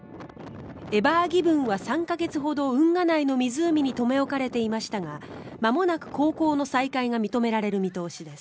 「エバーギブン」は３か月ほど運河内の湖に留め置かれていましたがまもなく航行の再開が認められる見通しです。